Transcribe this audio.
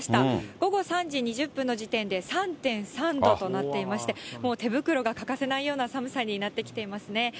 午後３時２０分の時点で、３．３度となっていまして、もう手袋が欠かせないような寒さになってきていますね。